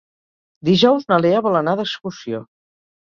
Dijous na Lea vol anar d'excursió.